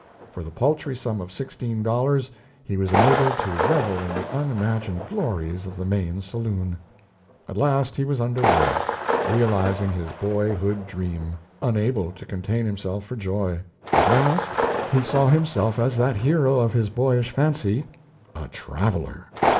For the paltry sum of sixteen dollars, he was enabled to revel in the unimagined glories of the main saloon. At last he was under way realizing his boyhood dream, unable to contain himself for joy. At last he saw himself as that hero of his boyish fancy a traveller.